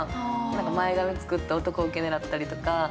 何か前髪作って男受け狙ったりとか。